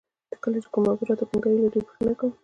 کله چې کومه موضوع راته ګونګه وي له دوی پوښتنه کوم.